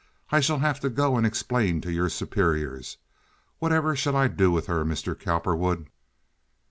"I shall have to go and explain to your superiors. Whatever shall I do with her, Mr. Cowperwood?"